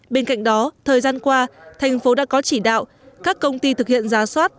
bên cạnh đó thời gian qua thành phố đã có chỉ đạo các công ty thực hiện giá soát